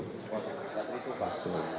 gak terlitu pak